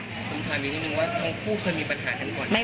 คุณภาพมีนิดนึงว่าทั้งคู่เคยมีปัญหาทั้งหมดไหม